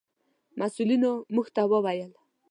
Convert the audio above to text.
مسؤلینو موږ ته و ویل: